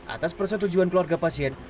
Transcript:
atas persetujuan keluarga pasien